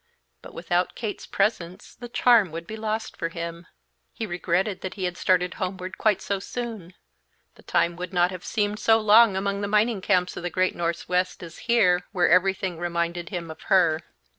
But without Kate's presence the charm would be lost for him. He regretted he had started homeward quite so soon; the time would not have seemed so long among the mining camps of the great Northwest as here, where everything reminded him of her.